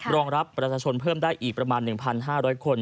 รองรับประชาชนเพิ่มได้อีกประมาณ๑๕๐๐คน